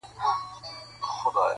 بهرني ځواکونه راپورونه جوړوي ډېر ژر,